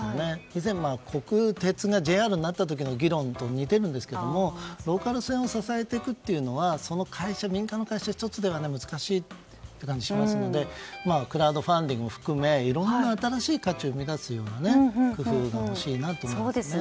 以前、国鉄がＪＲになった時の議論と似ていますがローカル線を支えていくのは民間の会社１つでは難しいという感じがしますのでクラウドファンディングも含めいろいろな新しい価値を目指す工夫がほしいですね。